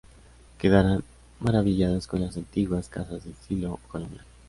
Quedarán maravillados con las antiguas casas de estilo colonial.